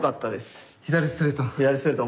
左ストレート？